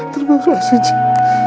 terima kasih cik